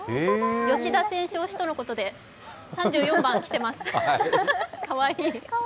吉田選手推しとのことで３４番、着てます、かわいい。